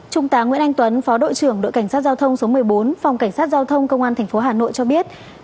trung tá nguyễn anh tuấn phó đội trưởng đội cảnh sát giao thông số một mươi bốn phòng cảnh sát giao thông công an tp hà nội cho biết